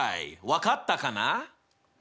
分かったかな？